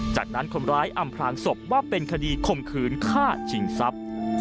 จากนั้นคนร้ายอำพลางศพว่าเป็นคดีข่มขืนฆ่าชิงทรัพย์